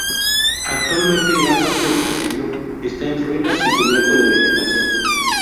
Actualmente gran parte del castillo esta en ruinas y cubierto de vegetación.